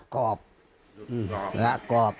ก็เลยระกอบ